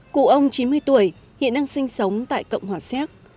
cụ ông chín mươi tuổi hiện đang sinh sống tại cộng hòa xéc